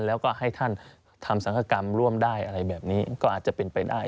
แล้วก็ให้ท่านทำสังฆกรรมร่วมได้อะไรแบบนี้ก็อาจจะเป็นไปได้